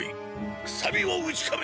くさびを打ちこめ！